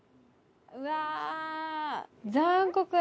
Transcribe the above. うわ。